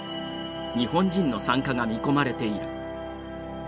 日本人の参加が見込まれている。